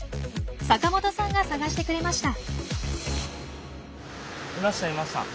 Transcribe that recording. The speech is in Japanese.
阪本さんが探してくれました。